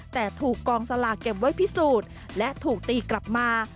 แต่ถูกกองสลากเก็บไว้พิสูจน์และถูกตีกลับมา